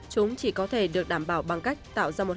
chúng chỉ có thể được đảm bảo bằng cách tạo ra một hành động